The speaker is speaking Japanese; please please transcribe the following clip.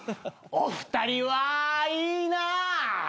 お二人はいいな。